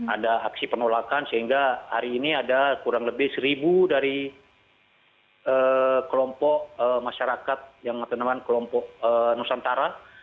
ada aksi penolakan sehingga hari ini ada kurang lebih seribu dari kelompok masyarakat yang tanaman kelompok nusantara